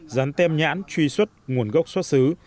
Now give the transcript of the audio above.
dán tem nhãn truy xuất nguồn gốc xuất xứ